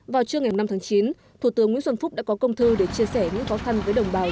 vào trưa ngày năm tháng chín thủ tướng nguyễn xuân phúc đã có công thư để chia sẻ những khó khăn với đồng bào